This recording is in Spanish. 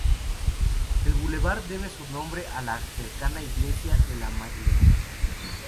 El bulevar debe su nombre a la cercana Iglesia de la Madeleine.